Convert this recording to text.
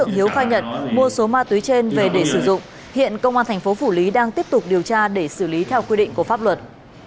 hiện công an thành phố phủ lý đang tiếp tục điều tra để xử lý theo quy định của pháp luật